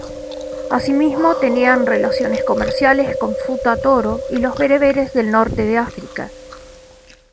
Asimismo, tenían relaciones comerciales con Futa Toro y los bereberes del norte de África.